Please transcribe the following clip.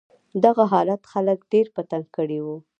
دغه حالت خلک ډېر په تنګ کړي و.